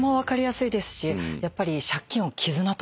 やっぱり。